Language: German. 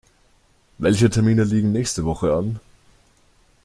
Welche Termine liegen nächste Woche an?